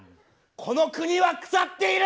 この国は腐っている！